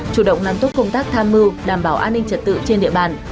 chủ động nắm tốt công tác tham mưu đảm bảo an ninh trật tự trên địa bàn